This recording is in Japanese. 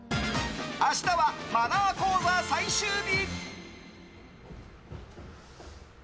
明日はマナー講座最終日！